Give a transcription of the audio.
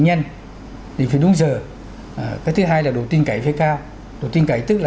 nhanh đi phải đúng giờ cái thứ hai là đồ tin cậy phải cao đồ tin cậy tức là